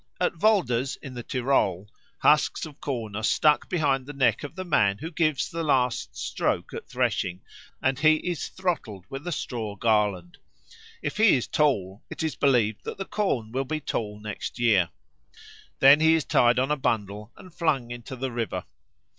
At Volders, in the Tyrol, husks of corn are stuck behind the neck of the man who gives the last stroke at threshing, and he is throttled with a straw garland. If he is tall, it is believed that the corn will be tall next year. Then he is tied on a bundle and flung into the river.